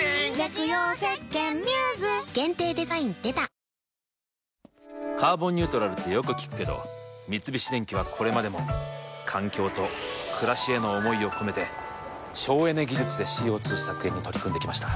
ゾンビ臭に新「アタック抗菌ＥＸ」「カーボンニュートラル」ってよく聞くけど三菱電機はこれまでも環境と暮らしへの思いを込めて省エネ技術でＣＯ２削減に取り組んできました。